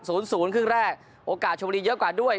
ศูนย์ศูนย์ครึ่งแรกโอกาสชวนีเยอะกว่าด้วย